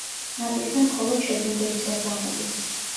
ნაპირზე მხოლოდ შებინდებისას გამოდის.